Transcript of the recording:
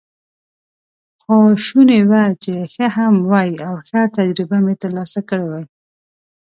خو شوني وه چې ښه هم وای، او ښه تجربه مې ترلاسه کړې وای.